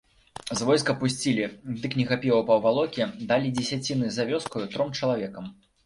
З войска пусцілі, дык не хапіла паўвалокі, далі дзесяціны за вёскаю тром чалавекам.